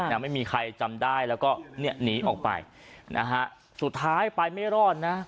ไม่มีใครจำได้แล้วก็เนี่ยหนีออกไปนะฮะสุดท้ายไปไม่รอดนะ